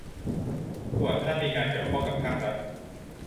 ส่วนถ้ามีงานเกี่ยวข้องกับรัฐ